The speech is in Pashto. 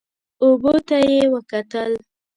اوبو ته یې وکتل.